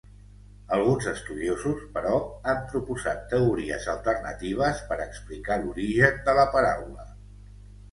Alguns estudiosos, però, han proposat teories alternatives per explicar l'origen de la paraula.